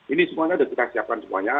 ini semuanya sudah kita siapkan semuanya